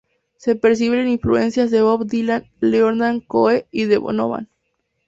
Se perciben influencias de Bob Dylan, Leonard Cohen y Donovan.